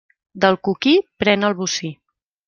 Del coquí, pren el bocí.